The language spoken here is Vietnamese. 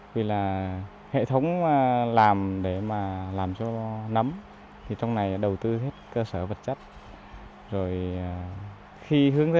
vì hệ thống làm để làm cho nấm trong này đầu tư